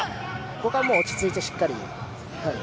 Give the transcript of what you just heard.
ここはもう落ち着いてしっかり。